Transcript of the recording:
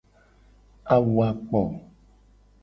Awu a kpo.